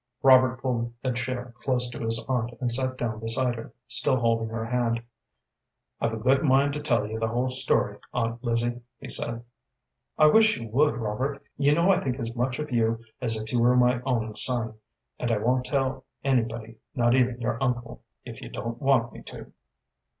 Robert pulled a chair close to his aunt, and sat down beside her, still holding her hand. "I've a good mind to tell you the whole story, Aunt Lizzie," he said. "I wish you would, Robert. You know I think as much of you as if you were my own son, and I won't tell anybody, not even your uncle, if you don't want me to."